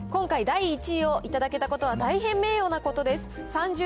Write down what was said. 今回、第１位を頂けたことは、大変名誉なことです。